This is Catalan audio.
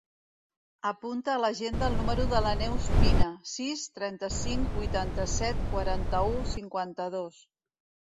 Apunta a l'agenda el número de la Neus Pina: sis, trenta-cinc, vuitanta-set, quaranta-u, cinquanta-dos.